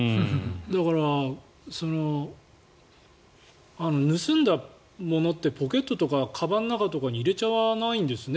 だから、盗んだものってポケットとかかばんの中とかに入れちゃわないんですね。